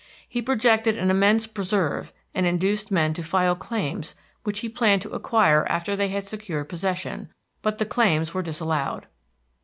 He projected an immense preserve, and induced men to file claims which he planned to acquire after they had secured possession; but the claims were disallowed.